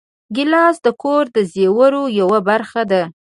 ګیلاس د کور د زېور یوه برخه ده.